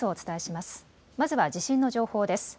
まずは地震の情報です。